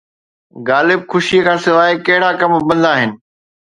غالب خوشيءَ کان سواءِ ڪهڙا ڪم بند آهن؟